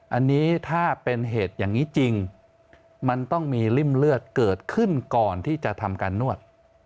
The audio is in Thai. อันนี้ถ้าเป็นเหตุอย่างนี้จริงมันต้องมีริ่มเลือดเกิดขึ้นก่อนที่จะทำการนวด